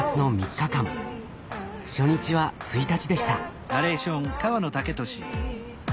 初日は１日でした。